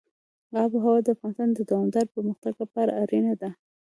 آب وهوا د افغانستان د دوامداره پرمختګ لپاره اړینه ده.